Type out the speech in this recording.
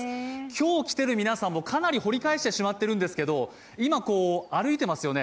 今日来ている皆さんもかなり掘り返してしまっているんですが今、歩いてますよね？